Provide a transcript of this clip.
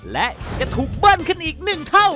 และจะถูกเบิ้ลขึ้นอีก๑เท่า